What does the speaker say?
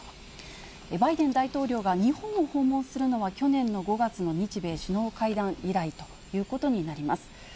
バイデン大統領が日本を訪問するのは、去年の５月の日米首脳会談以来ということになります。